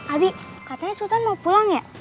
adi katanya sultan mau pulang ya